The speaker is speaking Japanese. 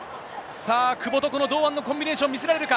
さあ、久保とこの堂安のコンビネーションを見せられるか。